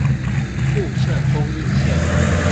霧社供應線